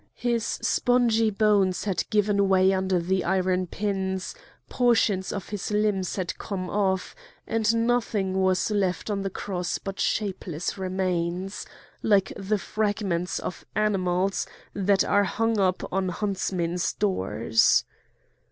His spongy bones had given way under the iron pins, portions of his limbs had come off, and nothing was left on the cross but shapeless remains, like the fragments of animals that are hung up on huntsmen's doors.